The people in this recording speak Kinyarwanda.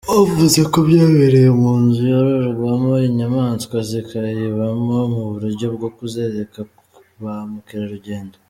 Bavuze ko byabereye mu nzu yororerwamo inyamaswa zikayibamo mu buryo bwo kuzereka ba mukerarugendo.